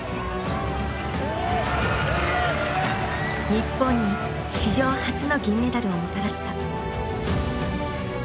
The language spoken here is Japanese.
日本に史上初の銀メダルをもたらした。